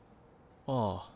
ああ。